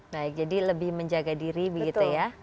baik jadi lebih menjaga diri begitu ya